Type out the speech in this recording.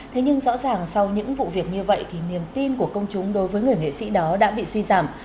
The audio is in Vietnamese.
thế nhưng rõ ràng sau những vụ việc như vậy thì niềm tin của công chúng đối với người nghệ sĩ đó đã bị suy giảm